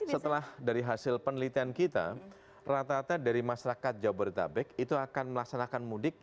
rata rata dari hasil penelitian kita rata rata dari masyarakat jawa baru tabek itu akan melaksanakan mudik